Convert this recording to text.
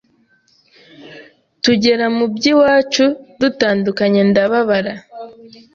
Tugera mu by’iwacu; dutandukanye ndababara